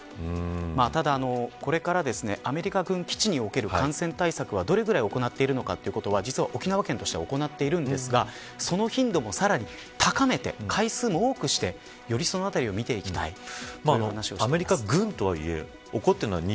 ただ、これからアメリカ軍基地における感染対策はどれぐらい行っているのか実は、沖縄県として行っているんですがその頻度もさらに高めて回数も多くしてよりそのあたりを見ていきたいという話をしています。